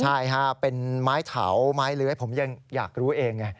ใช่ฮะเป็นไม้เถาไม้เลื้อยผมยังอยากรู้เองไง